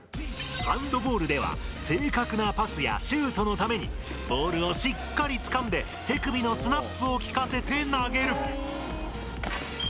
ハンドボールでは正確なパスやシュートのためにボールをしっかりつかんで手首のスナップをきかせて投げる。